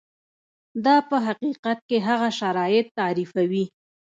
دا په حقیقت کې هغه شرایط تعریفوي.